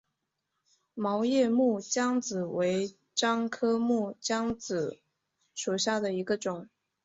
毛叶木姜子为樟科木姜子属下的一个种。